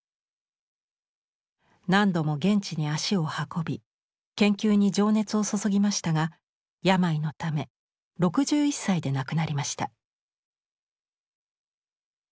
何度も現地に足を運び研究に情熱を注ぎましたが病のため６１歳で亡くなりました。